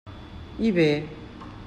I bé?